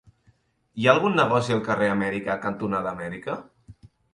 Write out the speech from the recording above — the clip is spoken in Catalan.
Hi ha algun negoci al carrer Amèrica cantonada Amèrica?